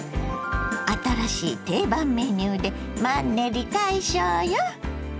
新しい定番メニューでマンネリ解消よ。